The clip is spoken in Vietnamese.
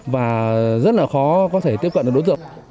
và rất là khó có thể tiếp cận được đối tượng